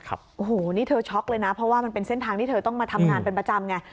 โอ้โหนี่เธอช็อกเลยนะเพราะว่ามันเป็นเส้นทางที่เธอต้องมาทำงานเป็นประจำไง